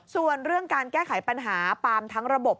ส่วนเรื่องการแก้ไขปัญหาปาล์มทั้งระบบ